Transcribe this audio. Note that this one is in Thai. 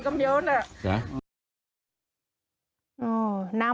ใช่ไหม